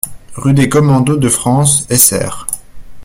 Rue des Commandos de France, Essert